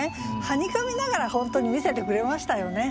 はにかみながら本当に見せてくれましたよね。